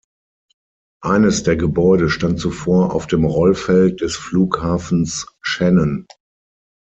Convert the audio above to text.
Eines der Gebäude stand zuvor auf dem Rollfeld des Flughafens Shannon.